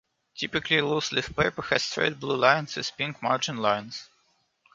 Typically loose leaf paper has straight blue lines with pink margin lines.